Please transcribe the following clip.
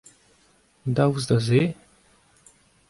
Daoust da se.